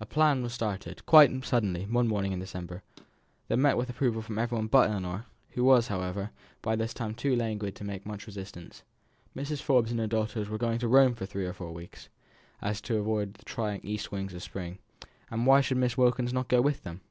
A plan was started, quite suddenly, one morning in December, that met with approval from everyone but Ellinor, who was, however, by this time too languid to make much resistance. Mrs. Forbes and her daughters were going to Rome for three or four months, so as to avoid the trying east winds of spring; why should not Miss Wilkins go with them?